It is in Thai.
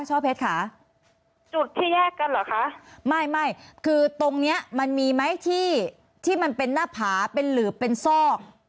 ช่อเพชรค่ะจุดที่แยกกันเหรอคะไม่ไม่คือตรงเนี้ยมันมีไหมที่ที่มันเป็นหน้าผาเป็นหรือเป็นซอก